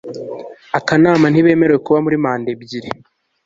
akanama ntibemerewe kuba muri manda ebyiri